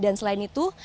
dan selain itu